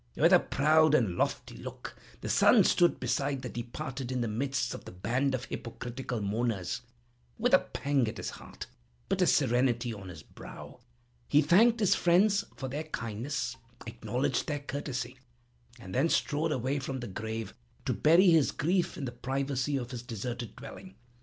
With a proud and lofty look the son stood beside the departed in the midst of the band of hypocritical mourners, with a pang at his heart, but a serenity on his brow. He thanked his friends for their kindness, acknowledged their courtesy, and then strode away from the grave to bury his grief in the privacy of his deserted dwelling.